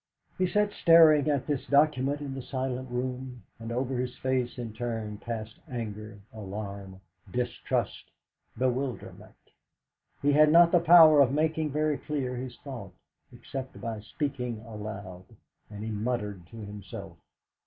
He sat staring at this document in the silent room, and over his face in turn passed anger, alarm, distrust, bewilderment. He had not the power of making very clear his thought, except by speaking aloud, and he muttered to himself.